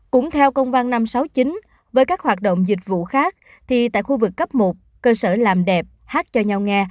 cũng theo công văn năm trăm sáu mươi chín với các hoạt động dịch vụ khác thì tại khu vực cấp một cơ sở làm đẹp hát cho nhau nghe